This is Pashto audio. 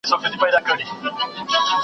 مېرمنې باید د فشار کمولو لپاره مرسته وغواړي.